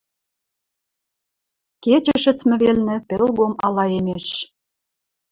Кечӹ шӹцмӹ велнӹ пӹлгом алаэмеш.